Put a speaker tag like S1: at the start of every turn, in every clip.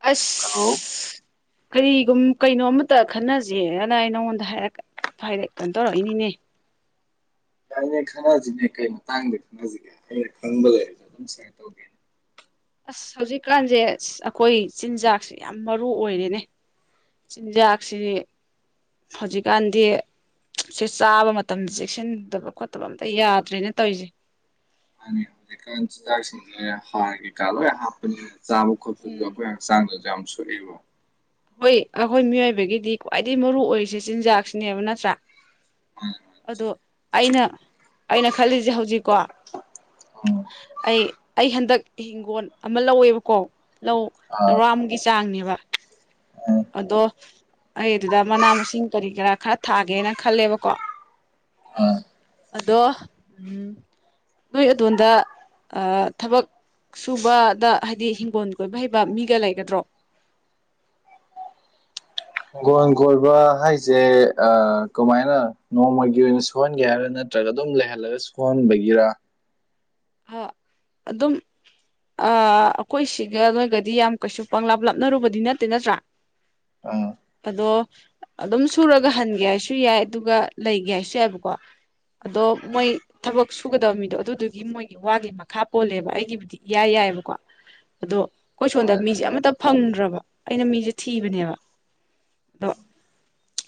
S1: ꯑꯁ
S2: ꯍꯜꯂꯣ
S1: ꯑ ꯀꯔꯤꯒꯨꯝ ꯀꯩꯅꯣ ꯑꯃꯇ ꯈꯟꯅꯁꯦꯅ ꯑꯩ ꯅꯪꯉꯣꯟꯗ ꯍꯥꯏꯔꯛꯀꯦ ꯐꯔꯦ ꯀꯩꯅꯣ ꯇꯧꯔꯛ ꯏꯅꯤꯅꯦ
S2: ꯌꯥꯅꯦ ꯈꯟꯅꯁꯤꯅꯦ ꯀꯩ ꯃꯇꯥꯡꯗ ꯈꯟꯅꯁꯤꯒꯦ ꯑꯩꯅ ꯈꯪꯕ ꯂꯩꯔꯁꯨ ꯑꯗꯨꯝꯌꯔ ꯇꯧꯒꯦ
S1: ꯑꯁ ꯍꯧꯖꯤꯛꯀꯥꯟꯁꯦ ꯑꯩꯈꯣꯏ ꯆꯤꯟꯖꯥꯛꯁꯦ ꯌꯥꯝ ꯃꯔꯨ ꯑꯣꯏꯔꯦꯅꯦ ꯆꯤꯟꯖꯥꯛꯁꯤ ꯍꯧꯖꯤꯛꯀꯥꯟꯗꯤ ꯁꯤ ꯆꯥꯕ ꯃꯇꯝ ꯆꯦꯛꯁꯤꯟꯗꯕ ꯈꯣꯠꯇꯕ ꯑꯝꯇ ꯌꯥꯗ꯭ꯔꯦꯅ ꯇꯧꯔꯤꯁꯦ
S2: ꯑ ꯍꯧꯖꯤꯛꯀꯥꯟ ꯆꯤꯟꯖꯥꯛꯁꯤꯡꯁꯦ ꯍꯥꯔ ꯀꯩꯀꯥ ꯂꯣꯏ ꯍꯥꯞꯄꯅꯤꯅ ꯆꯥꯕ ꯈꯣꯠꯄꯗꯨꯁꯨ
S1: ꯎꯝ
S2: ꯑꯩꯈꯣꯏ ꯍꯛꯆꯥꯡꯗꯁꯨ ꯌꯥꯝ ꯁꯣꯛꯑꯦꯕ
S1: ꯍꯣꯏ ꯑꯩꯈꯣꯏ ꯃꯤꯑꯣꯏꯕꯒꯤꯗꯤ ꯈ꯭ꯋꯥꯏꯗꯒꯤ ꯃꯔꯨ ꯑꯣꯏꯔꯤꯁꯦ ꯆꯤꯟꯖꯥꯛꯁꯤꯅꯦꯕ ꯅꯠꯇ꯭ꯔꯥ
S2: ꯍꯣꯏ
S1: ꯑꯗꯣ ꯑꯩꯅ ꯑꯩꯅ ꯈꯜꯂꯤꯁꯦ ꯍꯧꯖꯤꯛꯀꯣ
S2: ꯑ
S1: ꯑꯩ ꯑꯩ ꯍꯟꯗꯛ ꯏꯤꯡꯒꯣꯜ ꯑꯃ ꯂꯧꯋꯦꯕꯀꯣ ꯂꯧ ꯇꯔꯥꯃꯨꯛꯀꯤ ꯆꯥꯡꯅꯦꯕ
S2: ꯎꯝ
S1: ꯑꯗꯣ ꯑꯩ ꯑꯗꯨꯗ ꯃꯅꯥ ꯃꯁꯤꯡ ꯀꯔꯤ ꯀꯔꯥ ꯈꯔ ꯊꯥꯒꯦꯅ ꯈꯜꯂꯦꯕꯀꯣ
S2: ꯍ
S1: ꯑꯗꯣ ꯅꯣꯏ ꯑꯗꯣꯣꯟꯝꯗ ꯊꯕꯛ ꯁꯨꯕꯗ ꯍꯥꯏꯗꯤ ꯍꯤꯡꯒꯣꯜ ꯀꯣꯏꯕ ꯍꯩꯕ ꯃꯤꯒ ꯂꯩꯒꯗ꯭ꯔꯣ
S2: ꯀꯣꯟ ꯀꯣꯏꯕ ꯍꯥꯏꯁꯦ ꯀꯃꯥꯏꯅ ꯅꯣꯡꯃꯒꯤ ꯑꯣꯏꯅ ꯁꯍꯣꯟꯒꯦ ꯍꯥꯏꯔꯥ ꯅꯠꯇ꯭ꯔꯒ ꯑꯗꯨꯝ ꯂꯩꯍꯜꯂꯒ ꯁꯣꯟꯕꯒꯤꯔ
S1: ꯑ ꯑꯗꯨꯝ ꯑ ꯑꯩꯈꯣꯏ ꯁꯤꯒ ꯅꯣꯏꯒꯗꯤ ꯌꯥꯝ ꯀꯩꯁꯨ ꯄꯪꯂꯥꯞ ꯂꯥꯞꯅꯔꯨꯕꯗꯤ ꯅꯠꯇꯦ ꯅꯠꯇ꯭ꯔꯥ
S2: ꯑꯥ
S1: ꯑꯗꯣ ꯑꯗꯨꯝ ꯁꯨꯔꯒ ꯍꯟꯒꯦ ꯍꯥꯏꯁꯨ ꯌꯥꯏ ꯑꯗꯨꯒ ꯂꯩꯒꯦ ꯍꯥꯏꯁꯨ ꯌꯥꯏꯕꯀꯣ ꯑꯗꯣ ꯃꯣꯏ ꯊꯕꯛ ꯁꯨꯒꯗꯕ ꯃꯤꯗꯣ ꯑꯗꯨꯗꯨꯒꯤ ꯃꯣꯏ ꯋꯥꯒꯤ ꯃꯈꯥ ꯄꯣꯜꯂꯦꯕ ꯑꯩꯒꯤꯕꯨꯗꯤ ꯏꯌꯥꯏ ꯌꯥꯏꯑꯕꯀꯣ ꯑꯗꯣ ꯑꯩꯈꯣꯏ ꯁꯣꯝꯗ
S2: ꯍꯣꯏ
S1: ꯃꯤꯁꯦ ꯑꯃꯇ ꯐꯪꯗ꯭ꯔꯕꯣ ꯑꯩꯅ ꯃꯤꯁꯦ ꯊꯤꯕꯅꯦꯕ ꯑꯗꯣ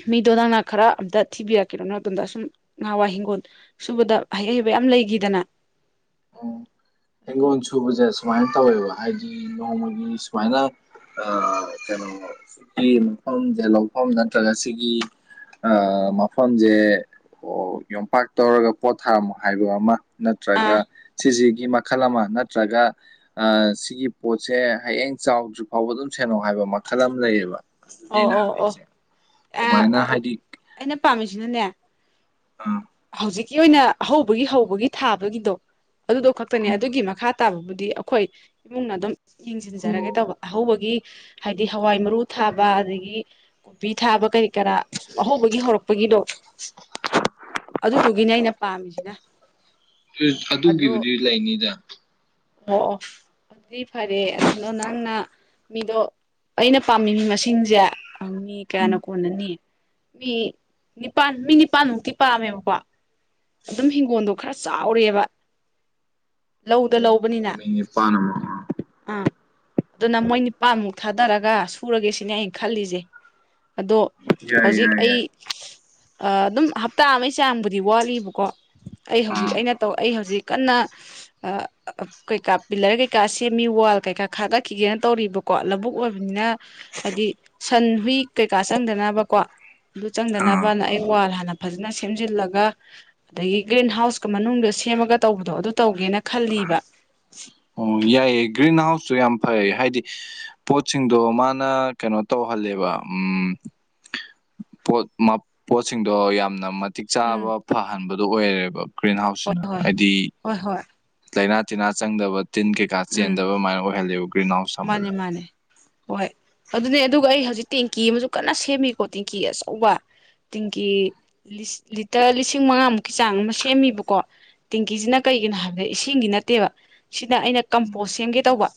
S1: ꯃꯤꯗꯣ ꯅꯪꯅ ꯈꯔ ꯑꯝꯇ ꯊꯤꯕꯤꯔꯛꯀꯦ ꯅꯣꯟꯗꯁꯨꯝ ꯉꯍꯥꯟꯋꯥꯏ ꯍꯤꯡꯒꯣꯜ ꯁꯨꯕꯗ ꯑꯍꯩ ꯍꯩꯕ ꯌꯥꯝ ꯂꯩꯈꯤꯗꯅ
S2: ꯎꯝ [inaudible] ꯁꯨꯕꯁꯦ ꯁꯨꯃꯥꯏꯅ ꯇꯧꯋꯦꯕ ꯍꯥꯏꯗꯤ ꯅꯣꯡꯃꯒꯤ ꯁꯨꯃꯥꯏꯅ ꯀꯩꯅꯣ ꯁꯤꯀꯤ ꯃꯐꯝꯁꯦ ꯂꯧꯐꯝ ꯅꯠꯇ꯭ꯔꯒ ꯁꯤꯒꯤ ꯑꯥ ꯃꯐꯝꯁꯦ ꯑꯣ ꯌꯣꯝꯄꯥꯛ ꯇꯧꯔꯒ ꯄꯣꯠ ꯊꯥꯔꯝꯃꯣ ꯍꯥꯏꯕ ꯑꯃ ꯅꯠꯇ꯭ꯔꯒ
S1: ꯑꯥ
S2: ꯁꯤꯁꯤꯒꯤ ꯃꯈꯜ ꯑꯃ ꯅꯠꯇ꯭ꯔꯒ ꯁꯤꯒꯤ ꯄꯣꯠꯁꯦ ꯍꯌꯦꯡ ꯆꯥꯎꯗ꯭ꯔꯤ ꯐꯥꯎꯕ ꯑꯗꯨꯝ ꯁꯦꯟꯅꯧ ꯍꯥꯏꯕ ꯃꯈꯜ ꯑꯃ ꯂꯩꯌꯦꯕ ꯑꯗꯨꯅꯦ
S1: ꯑꯣ
S2: ꯑꯩꯅ
S1: ꯑꯣ ꯑꯣ
S2: ꯍꯪꯉꯛꯏꯁꯦ ꯀꯃꯥꯏꯅ ꯍꯥꯏꯗꯤ
S1: ꯑꯩꯅ ꯄꯥꯝꯃꯤꯁꯤꯅꯅꯦ
S2: ꯎꯝ
S1: ꯍꯧꯖꯤꯛꯀꯤ ꯑꯣꯏꯅ ꯑꯍꯧꯕꯒꯤ ꯍꯧꯕꯒꯤ ꯊꯥꯕꯒꯤꯗꯣ ꯑꯗꯨꯗꯣ ꯈꯛꯇꯅꯦ
S2: ꯎꯝ
S1: ꯑꯗꯨꯒꯤ ꯃꯈꯥ ꯇꯥꯕꯕꯨꯗꯤ ꯑꯩꯈꯣꯏ ꯏꯃꯨꯡꯅ ꯑꯗꯨꯝ ꯌꯦꯡꯁꯤꯟꯖꯔꯒꯦ
S2: ꯑꯣ
S1: ꯇꯧꯕ ꯑꯍꯧꯕꯒꯤ ꯍꯥꯏꯗꯤ ꯍꯋꯥꯏ ꯃꯔꯨ ꯊꯥꯕ ꯑꯗꯒꯤ ꯀꯣꯕꯤ ꯊꯥꯕ ꯀꯔꯤ ꯀꯔꯥ ꯑꯍꯧꯕꯒꯤ ꯍꯧꯔꯛꯄꯒꯤꯗꯣ ꯑꯗꯨꯗꯨꯒꯤꯅꯦ ꯑꯩꯅ ꯄꯥꯝꯃꯤꯁꯤꯅ ꯑꯗꯣ
S2: ꯑꯗꯨꯒꯤꯕꯨꯗꯤ ꯂꯩꯅꯤꯗ
S1: ꯑꯣ ꯑꯣ ꯗꯤ ꯐꯔꯦ ꯑꯗꯨꯅ ꯅꯪꯅ ꯃꯤꯗꯣ ꯑꯩꯅ ꯄꯥꯝꯃꯤꯃꯤ ꯃꯁꯤꯡꯁꯦ ꯪ ꯃꯤ ꯀꯌꯥꯅ
S2: ꯎꯝ
S1: ꯀꯣꯟꯅꯅꯤ ꯃꯤ ꯅꯤꯄꯥꯟ ꯃꯤ ꯅꯤꯄꯥꯟꯃꯨꯛꯇꯤ ꯄꯥꯝꯃꯦꯕꯀꯣ ꯑꯗꯨꯝ ꯍꯤꯡꯒꯣꯜꯗꯣ ꯈꯔ ꯆꯥꯎꯔꯦꯕ
S2: ꯑꯣ
S1: ꯂꯧ
S2: ꯃꯤ ꯅꯤꯄꯥꯜ
S1: ꯑꯥ ꯑꯗꯨꯅ ꯃꯣꯏ ꯅꯤꯄꯥꯥꯟꯃꯨꯛ ꯊꯥꯗꯔꯒ ꯁꯨꯔꯒꯦ ꯁꯤꯅꯦ ꯑꯩꯅ ꯈꯜꯂꯤꯁꯦ ꯑꯗꯣ
S2: ꯌꯥꯏ
S1: ꯍꯧꯖꯤꯛ
S2: ꯌꯥꯏ ꯌꯥꯏ
S1: ꯑꯩ ꯑꯗꯨꯝ ꯍꯞꯇꯥ ꯑꯃꯒꯤ ꯆꯥꯡꯕꯨꯗꯤ ꯋꯥꯠꯂꯤꯕꯀꯣ ꯑꯩ ꯍꯧꯖꯤꯛ
S2: ꯎꯝ
S1: ꯑꯩꯅ ꯇꯧ ꯑꯩ ꯍꯧꯖꯤꯛ ꯀꯟꯅ ꯀꯩꯀꯥ ꯄꯤꯂꯔ ꯀꯩꯀꯥ ꯁꯦꯝꯃꯤ ꯋꯥꯜ ꯀꯩꯀꯥ ꯈꯥꯗꯛꯈꯤꯒꯦꯅ ꯇꯧꯔꯤꯕꯀꯣ ꯂꯧꯕꯨꯛ ꯑꯣꯏꯕꯅꯤꯅ ꯍꯥꯏꯗꯤ ꯁꯟ ꯍꯨꯏ ꯀꯩꯀꯥ ꯆꯪꯗꯅꯕꯀꯣ ꯑꯗꯨ
S2: ꯑꯥ
S1: ꯆꯪꯗꯅꯕꯅ ꯑꯩ ꯋꯥꯜ ꯍꯥꯟꯅ ꯐꯖꯅ ꯁꯦꯝꯖꯤꯜꯂꯒ ꯑꯗꯒꯤ ꯒ꯭ꯔꯤꯟ ꯍꯥꯎꯁꯀ ꯃꯅꯨꯡꯗ ꯁꯦꯝꯃꯒ ꯇꯧꯕꯗꯣ ꯑꯗꯨ ꯇꯧꯒꯦꯅ ꯈꯜꯂꯤꯕ
S2: ꯑꯣ ꯌꯥꯏꯑꯦ ꯒ꯭ꯔꯤꯟ ꯍꯥꯎꯁꯀ ꯁꯨ ꯌꯥꯝ ꯐꯩ ꯍꯥꯏꯗꯤ ꯄꯣꯠꯁꯤꯡꯗꯣ ꯃꯥꯅ ꯀꯩꯅꯣ ꯇꯧꯍꯜꯂꯦꯕ ꯎꯝ
S1: [inaudible]
S2: ꯄꯣꯠ ꯄꯣꯠꯁꯤꯡꯗꯣ ꯌꯥꯝꯅ ꯃꯠ ꯃꯇꯤꯛ ꯆꯥꯕ
S1: ꯎꯝ
S2: ꯐꯍꯟꯕꯗꯣ ꯑꯣꯏꯔꯦꯕ ꯒ꯭ꯔꯤꯟ
S1: ꯍꯣꯏ
S2: ꯍꯥꯎꯁꯁꯤꯅ
S1: ꯍꯣꯏ
S2: ꯍꯥꯏꯗꯤ
S1: ꯍꯣꯏ ꯍꯣꯏ
S2: ꯂꯥꯏꯅꯥ ꯇꯤꯟꯅꯥ ꯆꯪꯗꯕ ꯇꯤꯟ ꯀꯩꯀꯥ
S1: ꯎꯝ
S2: ꯆꯦꯟꯗꯕ ꯑꯗꯨꯃꯥꯏꯅ ꯑꯣꯏꯍꯂꯦꯕ ꯒ꯭ꯔꯤꯟ ꯍꯥꯎꯁ ꯊꯝꯕꯗ
S1: ꯃꯥꯅꯦ ꯃꯥꯅꯦ ꯍꯣꯏ ꯑꯗꯨꯅꯦ ꯑꯗꯨꯒ ꯑꯩ ꯍꯧꯖꯤꯛ ꯇꯦꯡꯀꯤ ꯑꯃꯁꯨ ꯀꯟꯅ ꯁꯦꯝꯃꯤꯀꯣ ꯇꯦꯡꯀꯤ ꯑꯆꯧꯕ ꯇꯤꯡꯀꯤ ꯂꯤꯇꯔ ꯂꯤꯁꯤꯡ ꯃꯉꯥꯃꯨꯛꯀꯤ ꯆꯥꯡ ꯑꯃ ꯁꯦꯝꯃꯤꯕꯀꯣ ꯇꯤꯡꯀꯤꯁꯤꯅ ꯀꯩꯒꯤꯅꯣ ꯍꯥꯏꯕꯗ ꯏꯁꯤꯡꯒꯤ ꯅꯠꯇꯦꯕ ꯁꯤꯅ ꯑꯩꯅ ꯀꯝꯄꯣꯁ ꯁꯦꯝꯒꯦ ꯇꯧꯕ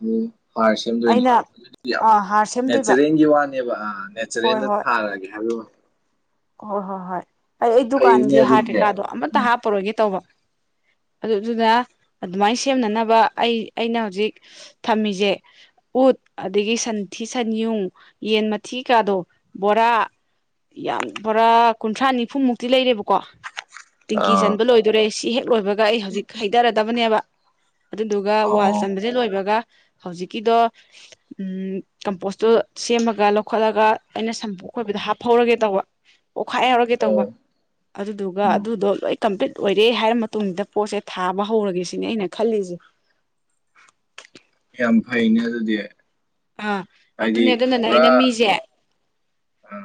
S2: ꯎꯝ ꯍꯥꯔ
S1: ꯑꯩꯅ
S2: ꯁꯦꯝꯗꯣꯏꯅꯦꯕ ꯑꯗꯨꯗꯤ ꯌꯥꯝ
S1: ꯑꯥ ꯍꯥꯔ ꯁꯦꯝꯗꯣꯏꯕ
S2: ꯅꯦꯆꯔꯦꯜꯒꯤ ꯋꯥꯅꯦꯕ ꯑꯥ
S1: ꯍꯣꯏ
S2: ꯅꯦꯆꯔꯦꯜꯗ
S1: ꯍꯣꯏ
S2: ꯊꯥꯔꯒꯦ ꯍꯥꯏꯕꯒꯤ ꯋꯥꯅꯤ
S1: ꯍꯣꯏ ꯍꯣꯏ ꯍꯣꯏ ꯑꯩ ꯑꯩ
S2: ꯐꯩꯅꯦ
S1: ꯗꯨꯀꯥꯟꯒꯤ ꯍꯥꯔ
S2: ꯑꯗꯨꯗꯤ
S1: ꯀꯩꯀꯥꯗꯣ ꯑꯃꯇ
S2: ꯎꯝ
S1: ꯍꯥꯞꯄꯔꯣꯏꯒꯦ ꯇꯧꯕ ꯑꯗꯨꯗꯨꯅ ꯑꯗꯨꯃꯥꯏꯅ ꯁꯦꯝꯅꯅꯕ ꯑꯩ ꯑꯩꯅ ꯍꯧꯖꯤꯛ ꯊꯝꯃꯤꯁꯦ ꯎꯠ ꯑꯗꯒꯤ ꯁꯟꯊꯤ ꯁꯟꯌꯨꯡ ꯌꯦꯟ ꯃꯊꯤ ꯀꯥꯗꯣ ꯕꯣꯔꯥ ꯌꯥꯝ ꯕꯣꯔꯥ ꯀꯨꯟꯊ꯭ꯔꯥ ꯅꯤꯐꯨꯃꯨꯛꯇꯤ ꯂꯩꯔꯦꯕꯀꯣ ꯇꯤꯡꯀꯤ
S2: ꯑꯥ
S1: ꯆꯟꯕ ꯂꯣꯏꯗꯣꯔꯦ ꯁꯤ ꯍꯦꯛ ꯂꯣꯏꯕ ꯑꯩ ꯍꯧꯖꯤꯛ ꯍꯩꯊꯔꯗꯕꯅꯦꯕ ꯑꯗꯨꯗꯨꯒ ꯋꯥꯜ
S2: ꯑꯣ
S1: ꯆꯟꯕꯁꯦ ꯂꯣꯏꯕꯒ ꯍꯧꯖꯤꯛꯀꯤꯗꯣ ꯎꯝ ꯀꯝꯄꯣꯁꯇꯨ ꯁꯦꯝꯃꯒ ꯂꯧꯈꯠꯂꯒ ꯑꯩꯅ ꯁꯝꯄꯣꯠ ꯈꯣꯏꯕꯗ ꯍꯥꯞꯐꯧꯔꯒꯦ ꯇꯧꯕ ꯑꯣꯈꯥꯏ ꯍꯨꯔꯒꯦ ꯇꯧꯕ
S2: ꯑꯣ
S1: ꯑꯗꯨꯗꯨꯒ
S2: ꯎꯝ
S1: ꯑꯗꯨꯗꯣ ꯂꯣꯏ ꯀꯝꯄ꯭ꯂꯤꯠ ꯑꯣꯏꯔꯦ ꯍꯥꯏꯔ ꯃꯇꯨꯡꯗ ꯄꯣꯠꯁꯦ ꯊꯥꯕ ꯍꯧꯔꯒꯦ ꯁꯤꯅꯤ ꯑꯩꯅ ꯈꯜꯂꯤꯁꯦ
S2: ꯌꯥꯝ ꯐꯩꯅꯦ ꯑꯗꯨꯗꯤ
S1: ꯑꯥ
S2: ꯍꯥꯏꯗꯤ
S1: ꯑꯗꯨꯅꯦ ꯑꯗꯨꯅꯅꯦ
S2: ꯄꯨꯔꯥ
S1: ꯑꯩꯅ ꯃꯤꯁꯦ
S2: ꯑ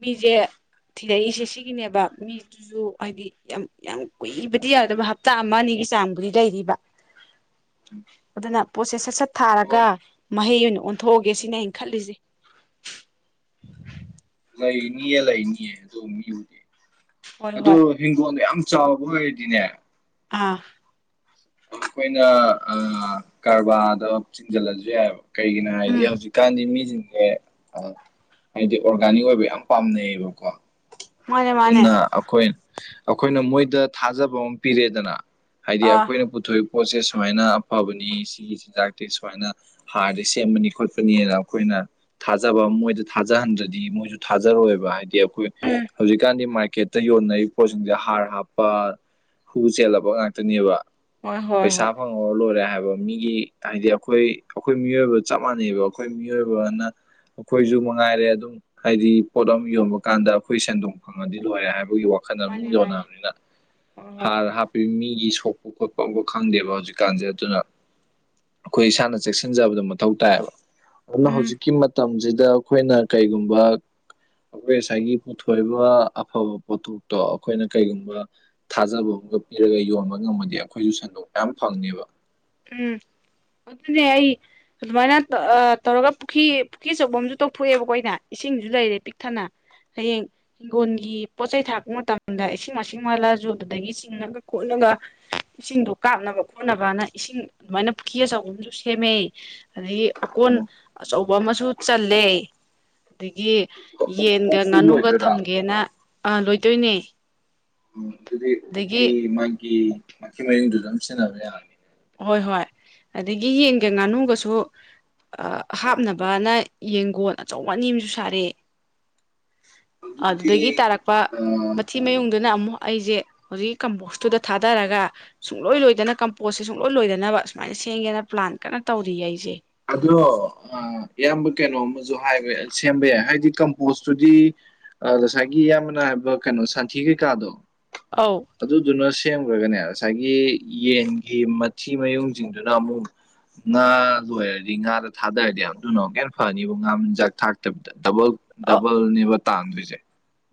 S1: ꯃꯤꯁꯦ ꯊꯤꯔꯛꯏꯁꯦ ꯁꯤꯒꯤꯅꯦꯕ ꯃꯤ꯫ ꯑꯗꯨ ꯍꯥꯏꯗꯤ ꯌꯥꯝ ꯌꯥꯝ ꯀꯨꯏꯕꯗꯤ ꯌꯥꯎꯗꯕ ꯍꯞꯇꯥ ꯑꯃ ꯑꯅꯤꯒꯤ ꯆꯥꯡꯕꯨꯗꯤ ꯂꯩꯔꯤꯕ꯫ ꯑꯗꯨꯅ ꯄꯣꯠꯁꯦ ꯁꯠ ꯁꯠ ꯊꯥꯔꯒ
S2: ꯍꯣꯏ
S1: ꯃꯍꯩ ꯑꯣꯏꯅ ꯑꯣꯟꯊꯣꯛꯑꯒꯦ ꯁꯤꯅ ꯑꯩꯅ ꯈꯂꯤꯁꯦ꯫
S2: ꯂꯩꯅꯤꯌꯦ ꯂꯩꯅꯤꯌꯦ ꯑꯗꯨꯝꯌꯨꯒꯤ
S1: ꯍꯣꯏ
S2: ꯑꯗꯨ꯫
S1: ꯍꯣꯏ
S2: ꯍꯤꯡꯒꯣꯜꯗꯣ ꯌꯥꯝ ꯆꯥꯎꯕ ꯑꯣꯏꯔꯗꯤꯅꯦ꯫
S1: ꯑꯥ꯫
S2: ꯑꯩꯈꯣꯏꯅ ꯑꯥ ꯀꯔꯕꯥꯔꯗ ꯆꯤꯡꯁꯤꯜꯂꯁꯨ ꯌꯥꯏꯑꯕ꯫ ꯀꯩꯒꯤꯅꯣ ꯍꯥꯏꯔꯗꯤ
S1: ꯎꯝ
S2: ꯍꯧꯖꯤꯛꯀꯥꯟꯗꯤ ꯃꯤꯁꯤꯡꯁꯦ ꯑ ꯍꯥꯏꯗꯤ ꯑꯣꯔꯒꯥꯅꯤꯛ ꯑꯣꯏꯕ ꯌꯥꯝ ꯄꯥꯝꯅꯩꯌꯦꯕꯀꯣ꯫
S1: ꯃꯥꯅꯦ ꯃꯥꯅꯦ
S2: ꯑꯗꯨꯅ ꯑꯩꯈꯣꯏ ꯑꯩꯈꯣꯏꯅ ꯃꯣꯏꯗ ꯊꯥꯖꯕ ꯑꯃ ꯄꯤꯔꯦꯗꯅ꯫ ꯍꯥꯏꯗꯤ
S1: ꯑꯥ
S2: ꯑꯩꯈꯣꯏꯅ ꯄꯨꯊꯣꯛꯏꯕ ꯄꯣꯠꯁꯦ ꯁꯨꯃꯥꯏꯅ ꯑꯐꯕꯅꯤ ꯁꯤꯒꯤ ꯆꯤꯟꯖꯥꯛꯇꯤ ꯁꯨꯃꯥꯏꯅ꯫ ꯍꯥꯔꯗꯤ ꯁꯦꯝꯕꯅꯤ ꯈꯣꯠꯄꯅꯤꯅ ꯑꯩꯈꯣꯏꯅ꯫ ꯊꯥꯖꯕ ꯃꯣꯏꯗ ꯊꯥꯖꯍꯟꯗ꯭ꯔꯗꯤ ꯃꯣꯏꯁꯨ ꯊꯥꯖꯔꯣꯏꯕ ꯍꯥꯏꯗꯤ ꯑꯩꯈꯣꯏ꯫
S1: ꯎꯝ
S2: ꯈꯪꯗꯦ ꯃꯥꯔꯀꯦꯠꯇ ꯌꯣꯟꯅꯔꯤꯕ ꯄꯣꯠꯁꯤꯡꯁꯦ ꯍꯥꯔ ꯍꯥꯞꯄ ꯍꯨ ꯆꯦꯜꯂꯕ ꯉꯥꯛꯇꯅꯦꯕ꯫
S1: ꯍꯣꯏ ꯍꯣꯏ ꯍꯣꯏ
S2: ꯄꯩꯁꯥ ꯐꯡ ꯑꯣ ꯂꯣꯏꯔꯦ ꯍꯥꯏꯕ ꯃꯤꯒꯤ ꯍꯥꯏꯗꯤ ꯑꯩꯈꯣꯏ ꯑꯩꯈꯣꯏ ꯃꯤꯑꯣꯏꯕ ꯆꯞ ꯃꯥꯟꯅꯩꯕ ꯑꯩꯈꯣꯏ ꯃꯤꯑꯣꯏꯕꯅ ꯑꯩꯈꯣꯏꯁꯨ ꯃꯉꯥꯏꯔꯦ ꯑꯗꯨꯝ ꯍꯥꯏꯗꯤ ꯄꯣꯠ ꯑꯃ ꯌꯣꯟꯕ ꯀꯥꯟꯗ ꯑꯩꯈꯣꯏ ꯁꯦꯟꯗꯣꯡ ꯐꯪꯉꯗꯤ ꯂꯣꯏꯔꯦ ꯍꯥꯏꯕꯒꯤ ꯋꯥꯈꯜꯗ ꯑꯗꯨꯝ
S1: ꯃꯥꯅꯦ ꯃꯥꯅꯦ
S2: ꯌꯣꯟꯅꯕꯅꯤꯅ
S1: ꯍꯣꯏ ꯍꯣꯏ
S2: ꯍꯥꯔ ꯍꯥꯞ ꯃꯤꯒꯤ ꯁꯣꯛꯄ ꯈꯣꯠꯄ ꯑꯨꯕ ꯈꯪꯗꯦꯕ ꯍꯧꯖꯤꯛꯀꯥꯟꯁꯦ ꯑꯗꯨꯅ ꯑꯩꯈꯣꯏ ꯏꯁꯥꯅ ꯆꯦꯛꯁꯤꯟꯖꯕꯗꯣ ꯃꯊꯧ ꯇꯥꯏꯕ꯫ ꯑꯗꯨ
S1: ꯎꯝ
S2: ꯍꯧꯖꯤꯛꯀꯤ ꯃꯇꯝꯁꯤꯗ ꯑꯩꯈꯣꯏꯅ ꯀꯩꯒꯨꯝꯕ ꯑꯩꯈꯣꯏ ꯉꯁꯥꯏꯒꯤ꯫ ꯄꯨꯊꯣꯏꯕ ꯑꯐꯕ ꯄꯣꯊꯣꯛꯇꯣ ꯑꯩꯈꯣꯏꯅ ꯀꯩꯒꯨꯝꯕ ꯊꯥꯖꯕ ꯑꯃꯝꯒ ꯄꯤꯔꯒ ꯌꯣꯟꯕ ꯉꯝꯃꯗꯤ ꯑꯩꯈꯣꯏꯁꯨ ꯁꯟꯗꯣꯛ ꯃꯌꯥꯝ ꯐꯪꯅꯦꯕ꯫
S1: ꯎꯝ ꯑꯗꯨꯅꯦ ꯑꯩꯏ ꯑꯗꯨꯃꯥꯏꯅ ꯇꯧꯔꯒ ꯄꯨꯈ꯭ꯔꯤ ꯄꯨꯈ꯭ꯔꯤ ꯑꯆꯧꯕ ꯑꯝꯁꯨ ꯇꯧꯊꯣꯛꯑꯦꯕꯀꯣ ꯑꯩꯅ꯫ ꯏꯁꯤꯡꯁꯨ ꯂꯩꯔꯦ ꯄꯤꯛ ꯊꯅ ꯍꯌꯦꯡ ꯍꯤꯡꯒꯣꯜꯒꯤ ꯄꯣꯠꯆꯩ ꯊꯥꯛꯔꯄ ꯃꯇꯝꯗ ꯏꯁꯤꯡ ꯃꯥꯏꯁꯤꯡ ꯋꯥꯠꯂꯁꯨ ꯑꯗꯨꯗꯒꯤ ꯆꯤꯡꯉꯒ ꯈꯣꯠꯂꯒ꯫ ꯏꯁꯤꯡꯗꯣ ꯀꯥꯞꯅꯕ ꯈꯣꯠꯅꯕꯅ꯫ ꯏꯁꯤꯡ ꯑꯗꯨꯃꯥꯏꯅ ꯄꯨ꯭ꯈꯤ ꯑꯆꯧꯕ ꯑꯃꯁꯨ ꯁꯦꯝꯃꯦ ꯑꯗꯒꯤ ꯑꯣꯀꯣꯟ ꯑ ꯑꯆꯧꯕ ꯑꯃꯁꯨ ꯆꯜꯂꯦ ꯑꯗꯒꯤ꯫ ꯌꯦꯟꯒ
S2: ꯑꯣꯛꯁꯨ
S1: ꯉꯥꯅꯨꯒ
S2: ꯂꯣꯏꯗꯣꯏꯔꯥ
S1: ꯊꯝꯒꯦꯅ ꯑ ꯂꯣꯏꯗꯣꯏꯅꯦ꯫
S2: ꯑꯗꯨꯗꯤ ꯀꯤ
S1: ꯑꯗꯒꯤ
S2: ꯃꯥꯒꯤ ꯃꯥꯊꯤ ꯃꯌꯨꯝꯗꯨ ꯑꯗꯨꯝ ꯁꯤꯖꯤꯟꯅꯕ ꯌꯥꯔ
S1: ꯍꯣꯏ ꯍꯣꯏ ꯑꯗꯒꯤ ꯌꯦꯟꯒꯦ ꯉꯥꯅꯨꯒꯁꯨ꯫ ꯑ ꯍꯥꯞꯅꯕꯅ ꯌꯦꯡꯒꯣꯟ ꯑꯆꯧ ꯑꯅꯤ ꯑꯃꯁꯨ ꯁꯥꯔꯦ꯫
S2: ꯑꯗꯨꯗꯤ
S1: ꯑꯗꯨꯗꯒꯤ ꯇꯥꯔꯛꯄ ꯃ
S2: ꯑꯥ
S1: ꯃꯊꯤ ꯃꯌꯨꯡꯗꯨꯅ ꯑꯃꯨꯛ ꯑꯩꯁꯦ ꯍꯧꯖꯤꯛꯀꯤ ꯀꯝꯄꯣꯁꯇꯨꯗ ꯊꯥꯗꯔꯒ ꯁꯨꯡꯂꯣꯏ ꯂꯣꯏꯗꯅ ꯀꯝꯄꯣꯁ ꯁꯨꯡꯂꯣꯏ ꯂꯣꯏꯗꯅꯕ ꯁꯨꯃꯥꯏꯅ ꯁꯦꯡꯒꯦꯅ ꯄ꯭ꯂꯥꯟ ꯀꯟꯅ ꯇꯧꯔꯤꯌꯦ ꯑꯩꯁꯦ꯫
S2: ꯑꯗꯣ ꯑꯥ ꯏꯌꯥꯝꯕ ꯀꯩꯅꯣꯝꯃꯁꯨ ꯍꯥꯏꯕ ꯁꯦꯝꯕ ꯌꯥꯏ ꯍꯥꯏꯗꯤ ꯀꯝꯄꯣꯁꯇꯨꯗꯤ ꯉꯁꯥꯏꯒꯤ ꯏꯌꯥꯝꯕꯅ ꯍꯥꯏꯕ ꯀꯩꯅꯣ ꯁꯟꯊꯤ ꯀꯩꯀꯥꯗꯣ꯫
S1: ꯑꯧ
S2: ꯑꯗꯨꯗꯨꯅ ꯁꯦꯝꯈ꯭ꯔꯒꯅꯦ ꯉꯁꯥꯏꯒꯤ ꯌꯦꯟꯒꯤ ꯃꯊꯤ ꯃꯌꯨꯡꯁꯤꯡꯗꯨꯅ ꯑꯃꯨꯛ꯫ ꯉꯥ ꯂꯣꯏꯔꯗꯤ ꯉꯥꯗ ꯊꯥꯗꯔꯗꯤ ꯌꯝꯊꯨꯅ ꯃꯌꯝ ꯐꯅꯤꯕ ꯉꯥ ꯃꯆꯤꯟꯖꯥꯛ ꯊꯥꯛ [unintelligible] ꯗꯕꯜ ꯗꯕꯜꯅꯦꯕ ꯇꯥꯡꯗꯣꯏꯁꯦ꯫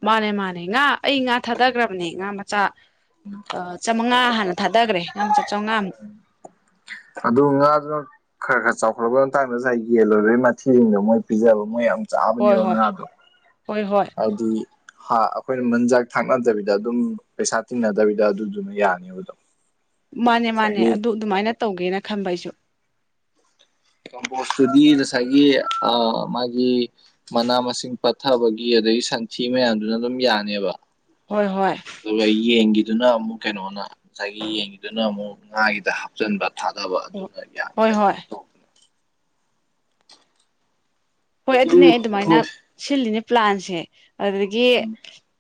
S1: ꯃꯥꯅꯦ ꯃꯥꯅꯦ ꯉꯥ ꯑꯩ ꯉꯥ ꯊꯥꯗꯈ꯭ꯔꯕꯅꯦ ꯉꯥ ꯃꯆꯥ꯫ ꯑ ꯆꯥꯃꯉꯥ ꯍꯥꯟꯅ ꯊꯥꯗꯈ꯭ꯔꯦ ꯉꯥ ꯃꯆꯥ ꯆꯥꯝꯃꯉꯥꯃꯨꯛ꯫
S2: ꯑꯗꯨ ꯉꯥꯗꯨꯅ꯫ ꯈꯔ ꯈꯔ ꯆꯥꯎꯈꯠꯂꯄꯩ ꯃꯇꯥꯡꯗ ꯉꯁꯥꯏ ꯌꯦꯜꯂꯣꯏꯕꯩ ꯃꯊꯤꯁꯤꯡꯗꯣ ꯃꯣꯏ ꯄꯤꯖꯕ ꯃꯣꯏ ꯌꯥꯝ
S1: ꯍꯣꯏ
S2: ꯆꯥꯕꯅꯦꯕ
S1: ꯍꯣꯏ
S2: ꯉꯥꯗꯣ
S1: ꯍꯣꯏ ꯍꯣꯏ
S2: ꯍꯥꯏꯗꯤ ꯍꯥ ꯑꯩꯈꯣꯏꯅ ꯃꯖꯥꯛ ꯊꯥꯛꯅꯗꯕꯤꯗ ꯑꯗꯨꯝ ꯄꯩꯁꯥ ꯇꯤꯡꯅꯗꯕꯤꯗ ꯑꯗꯨꯗꯨꯅ ꯌꯥꯅꯦꯕ ꯑꯗꯣꯝ꯫
S1: ꯃꯥꯅꯦ ꯃꯥꯅꯦ ꯑꯗꯨ ꯑꯗꯨꯃꯥꯏꯅ ꯇꯧꯒꯦꯅ ꯈꯟꯕ ꯑꯩꯁꯨ꯫
S2: ꯀꯝꯄꯣꯁꯇꯨꯗꯤ ꯉꯁꯥꯏꯒꯤ ꯑ ꯃꯥꯒꯤ ꯃꯅꯥ ꯃꯁꯤꯡ ꯄꯠꯊꯕꯒꯤ ꯑꯗꯒꯤ ꯁꯟꯊꯤ ꯃꯌꯥꯝꯗꯨꯅ ꯑꯗꯨꯝ ꯌꯥꯅꯦꯕ
S1: ꯍꯣꯏ ꯍꯣꯏ
S2: ꯑꯗꯨꯒ ꯌꯦꯟꯒꯤꯗꯨꯅ ꯑꯃꯨꯛ ꯀꯩꯅꯣꯅ ꯉꯁꯥꯏꯒꯤ ꯌꯦꯟꯒꯤꯗꯨꯅ ꯑꯃꯨꯛ ꯉꯥꯒꯤꯗ ꯍꯥꯞꯆꯟꯕ ꯊꯥꯗꯕ ꯑꯗꯨꯅ ꯌꯥꯅꯤ
S1: ꯍꯣꯏ
S2: ꯑꯗꯨ꯫
S1: ꯍꯣꯏ
S2: ꯇꯧꯕꯅꯦ
S1: ꯍꯣꯏ ꯑꯗꯨꯅꯦ
S2: ꯑꯗꯨ
S1: ꯑꯗꯨꯃꯥꯏꯅ
S2: ꯍꯣꯏ
S1: ꯁꯤꯜꯂꯤꯅꯦ ꯄ꯭ꯂꯥꯟꯁꯦ ꯑꯗꯨꯗꯒꯤ꯫
S2: ꯎꯝ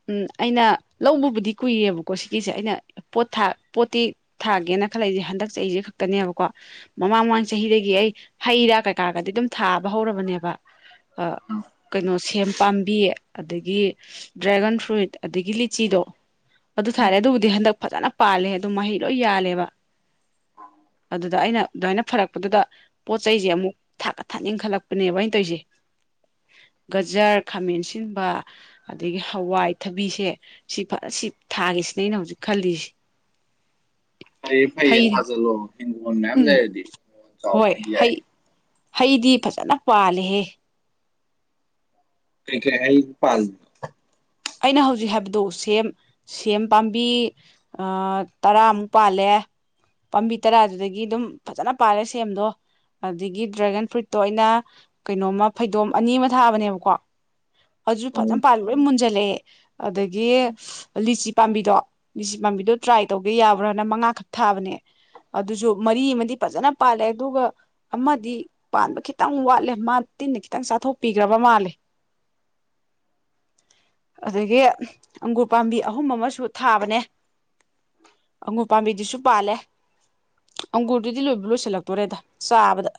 S1: ꯎꯝ ꯑꯩꯅ ꯂꯧꯕꯕꯨꯗꯤ ꯀꯨꯏꯌꯦꯕꯀꯣ ꯁꯤꯒꯤꯁꯦ ꯑꯩꯅ ꯎꯝ꯫ ꯄꯣꯠ ꯄꯣꯠꯇꯤ ꯊꯥꯒꯦꯅ ꯈꯜꯂꯛꯏꯁꯦ ꯍꯟꯗꯛ ꯆꯍꯤ ꯁꯦ ꯈꯛꯇꯅꯦꯕꯀꯣ꯫ ꯃꯃꯥꯡ ꯃꯃꯥꯡ ꯆꯍꯤꯗꯒꯤ ꯑꯩ ꯍꯩꯔꯥ ꯀꯩꯀꯥꯒꯗꯤ ꯑꯗꯨꯝ ꯊꯥꯕ ꯍꯧꯔꯕꯅꯦꯕ꯫ ꯑ
S2: ꯎꯝ
S1: ꯀꯩꯅꯣ ꯁꯦꯝ ꯄꯥꯝꯕꯤ ꯑꯗꯒꯤ ꯗ꯭ꯔꯦꯒꯟ ꯐ꯭ꯔꯨꯏꯠ ꯑꯗꯒꯤ ꯂꯤꯆꯤꯗꯣ ꯑꯗꯨ
S2: ꯎꯝ
S1: ꯊꯥꯔꯦ ꯑꯗꯨꯕꯨꯗꯤ ꯍꯟꯗꯛ ꯐꯖꯅ ꯄꯥꯜꯂꯦ ꯑꯗꯨꯝ ꯃꯍꯩ ꯂꯣꯏ ꯌꯥꯜꯂꯦꯕ ꯑꯗꯨꯗ ꯑꯩꯅ꯫ ꯑꯗꯨꯃꯥꯏꯅ ꯐꯔꯛꯄꯗꯨꯗ ꯄꯣꯠ ꯆꯩꯁꯦ ꯑꯃꯨꯛ ꯊꯥꯛꯀ ꯊꯥꯛꯅꯤꯡꯟꯈꯠꯂꯛꯄꯅꯦꯕ ꯑꯩꯅ ꯇꯧꯔꯤꯁꯦ꯫ ꯒꯖꯔ ꯈꯥꯃꯦꯟ ꯁꯤꯟꯕ꯫ ꯑꯗꯒꯤ ꯍꯋꯥꯏ ꯊꯕꯤꯁꯦ ꯁꯤ ꯐ ꯁꯤ ꯊꯥꯒꯦꯁꯤꯅꯦ ꯑꯩꯅ ꯍꯧꯖꯤꯛ ꯈꯜꯂꯤꯁꯤ꯫ [inaudible]
S2: ꯐꯩꯌꯦ ꯐꯩꯌꯦ ꯊꯥꯖꯜꯂꯣ ꯍꯤꯡꯒꯣꯜ ꯃꯌꯥꯝ
S1: ꯎꯝ
S2: ꯂꯩꯔꯗꯤ ꯍꯤꯡꯒꯣꯜ ꯆꯥꯎꯕ
S1: ꯍꯣꯏ
S2: ꯑꯣꯢꯗꯤ
S1: ꯍꯩ
S2: ꯌꯥꯏꯌꯦ꯫
S1: ꯍꯩꯗꯤ ꯐꯖꯅ ꯄꯥꯜꯂꯦꯍꯦ꯫
S2: ꯀꯩ ꯀꯩ ꯍꯥꯏ ꯄꯥꯜ꯫
S1: ꯑꯩꯅ ꯍꯧꯖꯤꯛ ꯍꯥꯏꯕꯗꯣ ꯁꯦꯝ ꯁꯦꯝ ꯄꯥꯝꯕꯤ ꯇꯔꯥꯃꯨꯛ ꯄꯥꯜꯂꯦ ꯄꯥꯝꯕꯤ ꯇꯔꯥꯗꯨꯗꯒꯤ ꯑꯗꯨꯝ ꯐꯖꯅ ꯄꯥꯜꯂꯦ ꯁꯦꯝꯗꯣ ꯑꯗꯒꯤ ꯗ꯭ꯔꯦꯒꯟ ꯐ꯭ꯔꯨꯏꯠꯇꯣ ꯑꯩꯅ ꯀꯩꯅꯣꯝꯃ ꯐꯩꯗꯣꯝ ꯑꯅꯤ ꯑꯃ ꯊꯥꯕꯅꯦꯕꯀꯣ ꯑꯗꯨꯁꯨ ꯐꯖꯅ ꯄꯥꯜ ꯂꯣꯏ ꯃꯨꯟꯖꯜ ꯂꯦ ꯑꯗꯒꯤ ꯂꯤꯆꯤ ꯄꯥꯝꯕꯤꯗꯣ ꯂꯤꯆꯤ ꯄꯥꯝꯕꯤꯗꯣ ꯇ꯭ꯔꯥꯏ ꯇꯧꯒꯦ ꯌꯥꯕ꯭ꯔꯥꯅ ꯃꯉꯥꯈꯛ ꯊꯥꯕꯅꯦ ꯑꯗꯨꯁꯨ ꯃꯔꯤ ꯑꯃꯗꯤ ꯐꯖꯅ ꯄꯥꯜꯂꯦ ꯑꯗꯨꯒ ꯑꯃꯗꯤ ꯄꯥꯟꯕ ꯈꯤꯇꯪ ꯋꯥꯠꯂꯦ ꯃꯥ ꯇꯤꯟꯅ ꯈꯤꯇꯪ ꯆꯥꯊꯣꯛꯄꯤꯈ꯭ꯔꯕ ꯃꯥꯜꯂꯦ ꯑꯗꯒꯤ ꯑꯪꯒꯨꯔ ꯄꯥꯝꯕꯤ ꯑꯍꯨꯝ ꯑꯃꯁꯨ ꯊꯥꯕꯅꯦ ꯑꯉꯨ ꯄꯥꯝꯕꯤꯗꯨꯁꯨ ꯄꯥꯜꯂꯦ ꯑꯪꯒꯨꯔꯗꯨꯗꯤ ꯂꯣꯏꯗꯤ ꯂꯣꯏꯁꯤꯜꯂꯛꯇꯣꯔꯦꯗ ꯆꯥꯕꯗ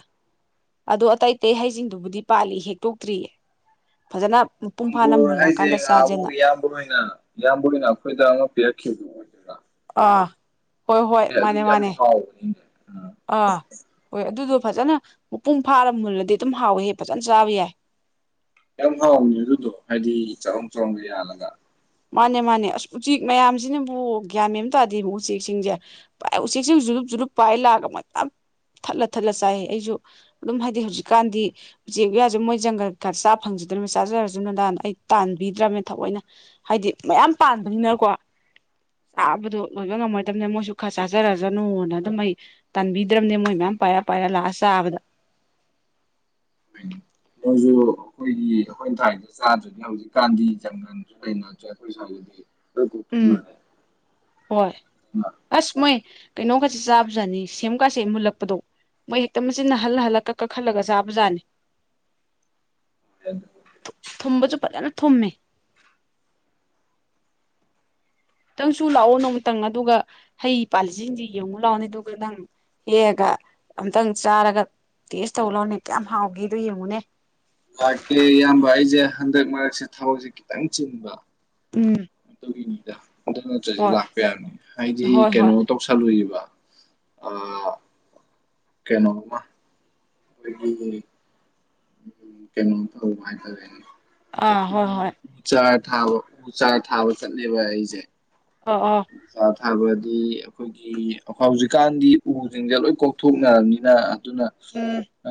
S1: ꯑꯗꯣ ꯑꯇꯩ ꯑꯇꯩ ꯍꯩꯁꯤꯡꯗꯨꯕꯨꯗꯤ ꯄꯥꯜꯂꯤ ꯍꯦꯛꯇꯣꯛꯇ꯭ꯔꯤꯌꯦ ꯐꯖꯅ ꯃꯄꯨꯡ ꯐꯥꯅ
S2: ꯑꯪꯒꯨꯔ ꯍꯥꯏꯁꯦ
S1: ꯃꯨꯜꯂꯀꯥꯟꯗ
S2: ꯉꯍꯥ ꯑꯃꯨꯛ
S1: ꯆꯥꯖꯦꯅ
S2: ꯏꯌꯥꯝꯕ ꯑꯣꯏꯅ ꯏꯌꯥꯝꯕ ꯑꯣꯏꯅ ꯑꯩꯈꯣꯏꯗ ꯑꯃ ꯄꯤꯔꯛꯈꯤꯕꯣ
S1: ꯑ ꯍꯣꯏ ꯍꯣꯏ
S2: ꯑꯦ
S1: ꯃꯥꯅꯦ
S2: ꯑꯗꯨꯗꯤ ꯌꯥꯝ
S1: ꯃꯥꯅꯦ
S2: ꯍꯥꯎꯕꯅꯤꯅꯦ ꯎꯝ
S1: ꯑ ꯍꯣꯏ ꯑꯗꯨꯗꯣ ꯐꯖꯅ ꯃꯄꯨꯡ ꯐꯥꯔ ꯃꯨꯜꯂꯗꯤ ꯑꯗꯨꯝ ꯍꯥꯎꯋꯦ ꯍꯦꯛ ꯐꯖꯅ ꯆꯥꯕ ꯌꯥꯏ
S2: ꯌꯥꯝ ꯍꯥꯎꯅꯤ ꯑꯗꯨꯗꯣ ꯍꯥꯏꯗꯤ ꯆꯧꯔꯝ ꯆꯧꯔꯝꯒ ꯌꯥꯜꯂꯒ
S1: ꯃꯥꯅꯦ ꯃꯥꯅꯦ ꯑꯁ ꯎꯆꯦꯛ ꯃꯌꯥꯝꯁꯤꯅꯕꯨ ꯒ꯭ꯌꯥꯟꯃꯦꯕ ꯇꯥꯗꯦ ꯎꯆꯦꯛꯁꯤꯡꯁꯦ ꯄꯥꯏ ꯎꯆꯦꯛꯁꯤ ꯖꯨꯨꯔꯨꯞ ꯖꯨꯔꯂꯨꯞ ꯄꯥꯏ ꯂꯥꯛꯑꯒ ꯃ ꯊꯠꯂ ꯊꯠꯂ ꯆꯥꯏ ꯑꯩꯁꯨ ꯑꯗꯨꯝ ꯍꯥꯏꯗꯤ ꯍꯧꯖꯤꯛꯀꯥꯟꯗꯤ ꯎꯆꯦꯛ ꯎꯌꯥꯖ ꯃꯣꯏ ꯖꯪꯒꯜꯒ ꯆꯥ ꯐꯪꯖꯗ꯭ꯔꯕ ꯆꯥꯖꯔꯖꯅꯨꯗꯅ ꯑꯩ ꯇꯥꯟꯕꯤꯗ꯭ꯔꯕꯅꯦ ꯊꯑꯣꯏꯅ ꯍꯥꯏꯗꯤ ꯃꯌꯥꯝ ꯄꯥꯟꯕꯅꯤꯅꯀꯣ ꯆꯥꯕꯗꯣ ꯂꯣꯏꯕ ꯉꯝꯃꯣꯏꯗꯕꯅꯤꯅ ꯃꯣꯏꯁꯨ ꯈꯔ ꯆꯥꯖꯔꯖꯅꯣꯅ ꯑꯗꯨꯝ ꯑꯩ ꯇꯥꯟꯕꯤꯗ꯭ꯔꯕꯅꯦ ꯃꯣꯏ ꯃꯌꯥꯝ ꯄꯥꯏꯔ ꯄꯥꯏꯔ ꯂꯥꯛꯑ ꯆꯥꯕꯗ
S2: ꯑꯗꯨꯁꯨ ꯑꯩꯈꯣꯏꯒꯤ ꯑꯩꯈꯣꯏꯅ ꯊꯥꯏꯗꯨ ꯆꯥꯗ꯭ꯔꯗꯤ ꯍꯧꯖꯤꯛꯀꯥꯟꯗꯤ ꯆꯪꯒꯅꯤ ꯆ
S1: ꯎꯝ ꯍꯣꯏ ꯑꯁ ꯃꯣꯏ ꯀꯩꯅꯣꯒꯖꯦ ꯆꯥꯕꯖꯥꯠꯅꯤ ꯁꯦꯝꯀꯥꯁꯦ ꯃꯨꯜꯂꯛꯄꯗꯣ ꯃꯣꯏ ꯍꯦꯛꯇ ꯃꯆꯤꯟꯅ ꯍꯜꯂ ꯍꯜꯂ ꯀꯛ ꯀꯛ ꯍꯜꯂꯒ ꯆꯥꯕꯖꯥꯠꯅꯤ
S2: [unintelligible]
S1: ꯊꯨꯝꯕꯁꯨ ꯐꯖꯅ ꯊꯨꯝꯃꯦ ꯇꯪꯁꯨ ꯂꯥꯛꯑꯣ ꯅꯣꯡꯃꯤꯇꯪ ꯑꯗꯨꯒ ꯍꯩ ꯄꯥꯜꯂꯤꯖꯤꯡꯖꯤ ꯌꯦꯡꯉꯨ ꯂꯥꯛꯑꯣꯅꯦ ꯑꯗꯨꯒ ꯅꯪ ꯍꯦꯛꯑꯒ ꯑꯝꯇꯪ ꯆꯥꯔꯒ ꯇꯦꯁ ꯇꯧ ꯂꯥꯎꯅꯦ ꯀꯌꯥꯝ ꯍꯥꯎꯒꯦꯗ ꯌꯦꯡꯉꯨꯅꯦ
S2: ꯂꯥꯛꯀꯦ ꯏꯌꯥꯝꯕ ꯑꯩꯖꯦ ꯍꯟꯗꯛ ꯃꯔꯛꯁꯦ ꯊꯕꯛꯁꯦ ꯈꯤꯇꯪ ꯆꯤꯟꯕ
S1: ꯎꯝ
S2: ꯑꯗꯨꯒꯤꯅꯤꯗ ꯑꯗꯨ ꯅꯠꯇ꯭ꯔꯗꯤ
S1: ꯍꯣꯏ
S2: ꯂꯥꯛꯄ ꯌꯥꯔꯅꯤ ꯍꯥꯏꯗꯤ
S1: ꯍꯣꯏ ꯍꯣꯏ
S2: ꯀꯩꯅꯣ ꯇꯧ ꯁꯜ ꯂꯣꯏꯕ ꯑ ꯀꯩꯅꯣꯃ [inaudible] ꯎꯝ ꯀꯩꯅꯣ ꯇ ꯍꯥꯏ ꯇꯔ
S1: ꯑꯥ ꯍꯣꯏ ꯍꯣꯏ
S2: ꯆꯥꯔ ꯊꯥꯕ ꯎ ꯆꯥꯔ ꯊꯥꯕ ꯆꯠꯂꯦꯕ ꯑꯩꯖꯦ
S1: ꯑ ꯑꯣ
S2: ꯆꯥ ꯊꯕꯗꯤ ꯑꯩꯈꯣꯏ ꯑꯩꯈꯣꯏꯒꯤ ꯍꯧꯖꯤꯛꯀꯥꯟꯗꯤ ꯎꯖꯤꯡꯁꯦ ꯂꯣꯏ ꯀꯣꯛꯊꯣꯛꯅꯔꯕꯅꯤꯅ ꯑꯗꯨꯅ
S1: ꯎꯝ
S2: ꯑ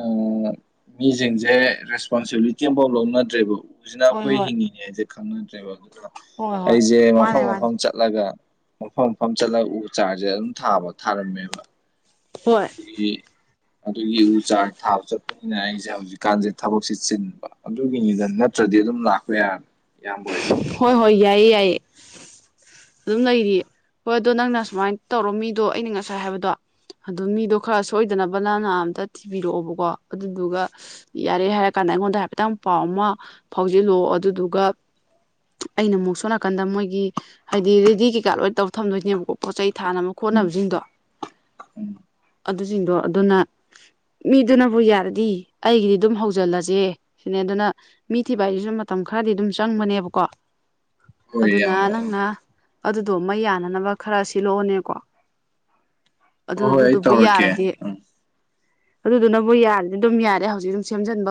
S2: ꯃꯤꯖꯤꯡꯁꯦ ꯔꯦꯁꯄꯣꯟꯁꯤꯕꯤꯂꯤꯇꯤ ꯑꯝꯐꯥꯎ ꯂꯧꯅꯠꯇꯗ꯭ꯔꯦꯕ ꯎꯖꯤꯅ
S1: ꯍꯣꯏ
S2: ꯑꯩꯈꯣꯏ
S1: ꯍꯣꯏ
S2: ꯍꯤꯡꯉꯤ ꯌꯦꯖꯦ ꯈꯪꯅꯗ꯭ꯔꯦꯕ ꯑꯗꯨꯒ
S1: ꯍꯣꯏ ꯍꯣꯏ
S2: ꯑꯩꯖꯦ
S1: ꯃꯥꯅꯦ
S2: ꯃꯐꯝ
S1: ꯃꯥꯅꯦ
S2: ꯃꯐꯝ ꯆꯠꯂꯒ ꯃꯐꯝ ꯃꯐꯝ ꯆꯠꯂꯒ ꯎ ꯆꯥꯔꯖꯦ ꯑꯗꯨꯝ ꯊꯥꯕ ꯊꯥꯔꯝꯃꯦꯕ
S1: ꯍꯣꯏ
S2: ꯑꯗꯒꯤ ꯑꯗꯨꯒꯤ ꯎ ꯆꯥꯔ ꯊꯥꯕ ꯆꯠꯄ ꯑꯩꯅ ꯍꯥꯏꯖꯦ ꯍꯧꯖꯤꯛꯀꯥꯟꯖꯦ ꯊꯕꯛꯁꯦ ꯆꯤꯟꯕ ꯑꯗꯨꯒꯤꯅꯤꯗ ꯅꯠꯇ꯭ꯔꯗꯤ ꯑꯗꯨꯝ ꯂꯥꯛꯄ ꯌꯥꯔ ꯌꯥꯝꯕ ꯍꯣꯏꯗ
S1: ꯍꯣꯏ ꯍꯣꯏ ꯌꯥꯏꯌꯦ ꯌꯥꯏꯌꯦ ꯑꯗꯨꯝ ꯂꯩꯔꯤ ꯍꯣꯏ ꯑꯗꯣ ꯅꯪꯅ ꯁꯨꯃꯥꯏ ꯇꯧꯔꯣ ꯃꯤꯗꯣ ꯑꯩꯅ ꯉꯁꯥꯏ ꯍꯥꯏꯕꯗꯣ ꯑꯗꯨ ꯃꯤꯗꯣ ꯈꯔ ꯁꯣꯏꯗꯅꯕ ꯅꯪꯅ ꯑꯝꯇ ꯊꯤꯕꯤꯔꯛꯑꯣꯕꯀꯣ ꯑꯗꯨꯗꯨꯒ ꯌꯥꯔꯦ ꯍꯥꯏꯔ ꯀꯥꯟꯗ ꯑꯩꯉꯣꯟꯗ ꯍꯥꯏꯐꯦꯠꯇꯪ ꯄꯥꯎ ꯑꯃ ꯐꯥꯎꯖꯤꯜꯂꯑꯣ ꯑꯗꯨꯗꯨꯒ ꯑꯩꯅ ꯑꯃꯨꯛ ꯁꯣꯅꯥꯀꯟꯗ ꯃꯣꯏꯒꯤ ꯍꯥꯏꯗꯤ ꯔꯦꯗꯤ ꯀꯩꯀꯥ ꯂꯣꯏꯅ ꯇꯧ ꯊꯝꯗꯣꯏꯅꯦꯕꯀꯣ ꯄꯣꯠ ꯆꯩ ꯊꯥꯅ
S2: ꯎꯝ
S1: ꯈꯣꯠꯅꯕꯖꯤꯡꯗꯣ
S2: ꯎꯝ
S1: ꯑꯗꯨꯖꯤꯡꯗꯣ ꯑꯗꯨꯅ ꯃꯤꯗꯨꯅꯕꯨ ꯌꯥꯔꯗꯤ ꯑꯩꯒꯤꯗꯤ ꯑꯗꯨꯝ ꯍꯧꯖꯜꯂꯖꯦ ꯁꯤꯅꯦ ꯑꯗꯨꯅ ꯃꯤ ꯊꯤꯕ ꯍꯥꯏꯖꯤꯖꯨ ꯃꯇꯝ ꯈꯔꯗꯤ ꯑꯗꯨꯝ ꯆꯪꯕꯅꯦꯕꯀꯣ
S2: ꯍꯣꯏ
S1: ꯑꯗꯨꯅ
S2: ꯏꯌꯥꯝꯕ ꯎꯝ
S1: ꯅꯪꯅ ꯑꯗꯨꯗꯣ ꯃ ꯌꯥꯅꯅꯕ ꯈꯔ ꯁꯤꯜꯂꯛꯑꯣꯅꯦꯀꯣ ꯑꯗꯨ
S2: ꯍꯣꯏ ꯍꯣꯏ ꯑꯩ
S1: ꯑꯗꯨꯗꯨꯕꯨ
S2: ꯇꯧꯔꯛꯀꯦ
S1: ꯌꯥꯔꯗꯤ
S2: ꯎꯝ
S1: ꯑꯗꯨꯗꯨꯅꯕꯨ ꯌꯥꯔꯗꯤ ꯑꯗꯨꯝ ꯌꯥꯔꯦ ꯍꯧꯖꯤꯛ ꯑꯗꯨꯝ ꯁꯦꯝꯖꯟꯕ